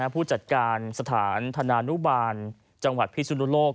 ผู้จัดการสถานธนานุบาลจังหวัดพิสุนุโลก